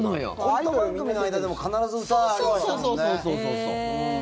コント番組の間でも必ず歌ありましたもんね。